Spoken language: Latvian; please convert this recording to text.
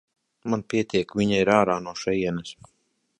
Man pietiek, viņa ir ārā no šejienes.